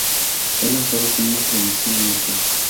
Fue lanzado como una promoción única.